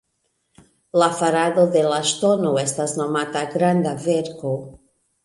La farado de la Ŝtono estas nomata Granda Verko.